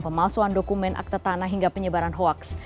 pemalsuan dokumen akte tanah hingga penyebaran hoaks